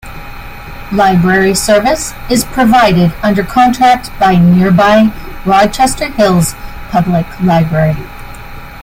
Library service is provided under contract by nearby Rochester Hills Public Library.